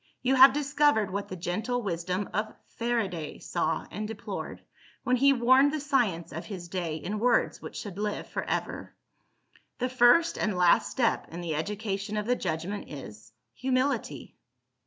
You have discovered what the gentle wisdom of FARADAY saw and deplored, when he warned the science of his day in words which should live for ever: "The first and last step in the education of the judgment is Humility."